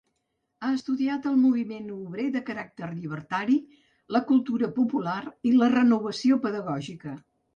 Ha estudiat el moviment obrer de caràcter llibertari, la cultura popular i la renovació pedagògica.